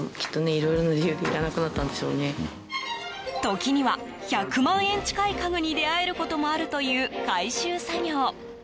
時には１００万円近い家具に出会えることもあるという回収作業。